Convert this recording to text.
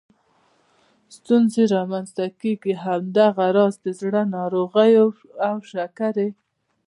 ستونزې رامنځته کېږي او دغه راز د زړه ناروغیو او شکرې